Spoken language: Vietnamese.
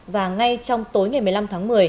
và ngay trong tối ngày một mươi năm tháng một mươi